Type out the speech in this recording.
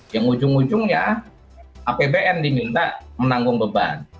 yang ujung ujungnya apbn diminta menanggung beban